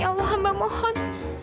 ya allah hamba mohon